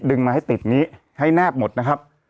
มาให้ติดนี้ให้แนบหมดนะครับ